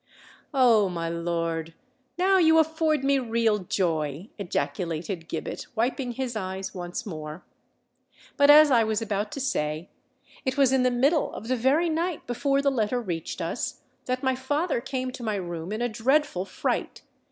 "Oh! my lord—now you afford me real joy!" ejaculated Gibbet, wiping his eyes once more. "But as I was about to say, it was in the middle of the very night before the letter reached us, that my father came to my room in a dreadful fright.